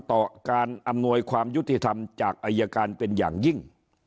ต่อการอำนวยความยุติธรรมจากอายการเป็นอย่างยิ่ง